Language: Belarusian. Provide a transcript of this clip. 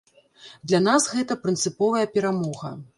Для нас гэта прынцыповая перамога.